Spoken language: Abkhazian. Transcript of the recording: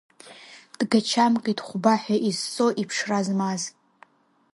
Дгачамкит хәба ҳәа изҵо иԥшра змаз.